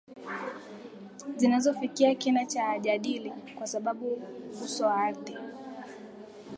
zinazofikia kina cha jalidi kwa sababu uso wa ardhi